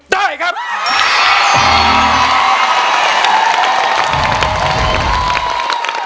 ได้ครับ